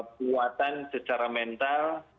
perbuatan secara mental